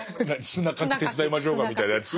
砂掻き手伝いましょうかみたいなやつ。